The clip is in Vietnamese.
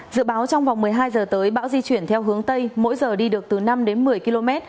dự báo trong vòng một mươi hai giờ tới bão di chuyển theo hướng tây mỗi giờ đi được từ năm đến một mươi km